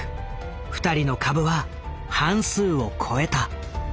２人の株は半数を超えた。